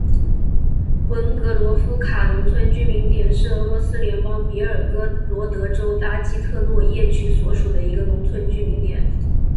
文格罗夫卡农村居民点是俄罗斯联邦别尔哥罗德州拉基特诺耶区所属的一个农村居民点。